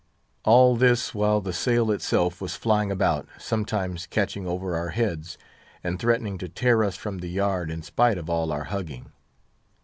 All this while the sail itself was flying about, sometimes catching over our heads, and threatening to tear us from the yard in spite of all our hugging.